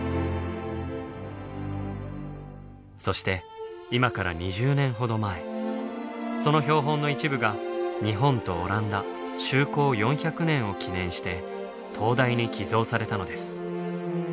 そして今から２０年ほど前その標本の一部が日本とオランダ「修好４００年」を記念して東大に寄贈されたのです。